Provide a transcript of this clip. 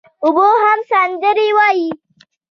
اوبه هم سندري وايي.